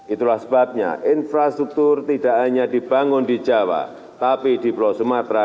itulah sebabnya infrastruktur tidak hanya dibangun di jawa tapi di pulau sumatera